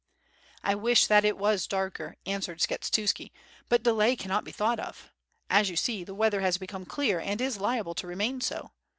"I wish that it was darker," answered Skshetuski, "but delay cannot be thought of. As you see, the weather has become clear and is liable to remain so.